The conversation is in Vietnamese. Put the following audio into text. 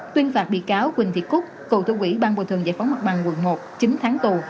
tuyên phạt bị cáo quỳnh thị cúc cựu thư quỷ bang bồi thường giải phóng mặt bằng quận một chín tháng tù